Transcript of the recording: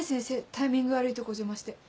タイミング悪いとこお邪魔して。